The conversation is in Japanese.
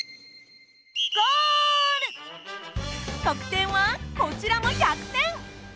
得点はこちらも１００点！